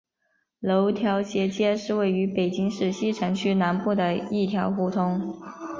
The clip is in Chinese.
楼桃斜街是位于北京市西城区南部的一条胡同。